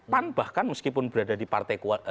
pan bahkan meskipun berada di partai